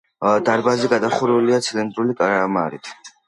დარბაზი გადახურულია ცილინდრული კამარით.